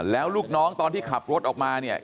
แล้วลูกน้องตอนที่ขับรถออกมาเนี่ย